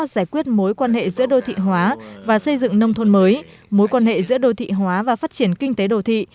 giải quyết mối quan hệ giữa đô thị hóa và xây dựng nông thôn mới mối quan hệ giữa đô thị hóa và phát triển kinh tế đô thị